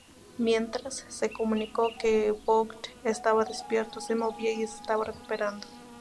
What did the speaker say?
Mientras, se comunicó que Vogt estaba despierto, se movía y se estaba recuperando.